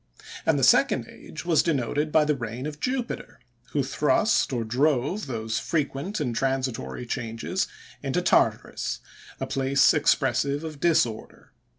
And the second age was denoted by the reign of Jupiter; who thrust, or drove those frequent and transitory changes into Tartarus—a place expressive of disorder.